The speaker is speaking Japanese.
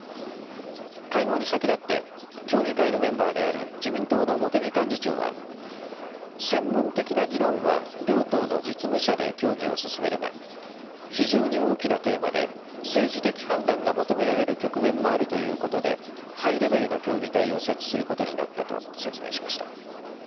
会合に先立って協議会のメンバーである自民党の茂木幹事長は専門的な議論は両党の実務者で協議を進めるが非常に大きなテーマで政治的判断が求められる局面もあるということでハイレベルの協議体を設置することになったと説明しました。